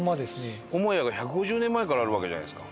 母屋が１５０年前からあるわけじゃないですか。